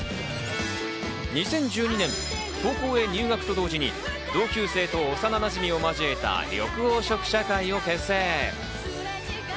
２０１２年、高校へ入学と同時に、同級生と幼なじみを交えた緑黄色社会を結成。